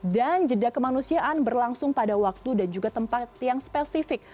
dan jeda kemanusiaan berlangsung pada waktu dan juga tempat yang spesifik